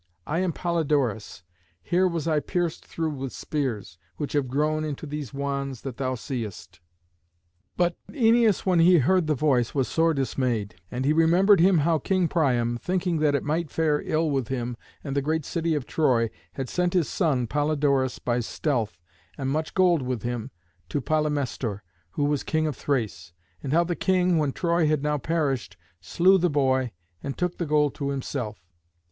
I am Polydorus. Here was I pierced through with spears, which have grown into these wands that thou seest." But Æneas when he heard the voice was sore dismayed, and he remembered him how King Priam, thinking that it might fare ill with him and the great city of Troy, had sent his son, Polydorus, by stealth, and much gold with him, to Polymestor, who was king of Thrace, and how the king, when Troy had now perished, slew the boy, and took the gold to himself.